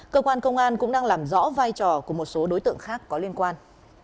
cơ quan công an cũng đang làm rõ vai trò của một số đối tượng khác có liên quan